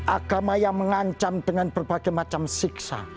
agama yang mengancam dengan berbagai macam siksa